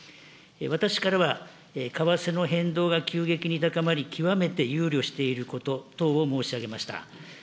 私からは、為替の変動が急激に高まり、極めて憂慮していること等を申し上げました。